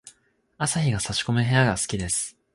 朝日が差し込む部屋が好きです。